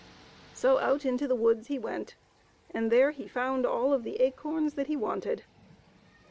So out into the woods he went, and there he found all of the acorns that he wanted.